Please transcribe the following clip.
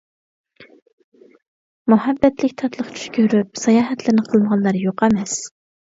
مۇھەببەتلىك تاتلىق چۈش كۆرۈپ، ساياھەتلەرنى قىلمىغانلار يوق ئەمەس.